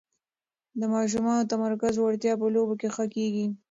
د ماشومانو د تمرکز وړتیا په لوبو کې ښه کېږي.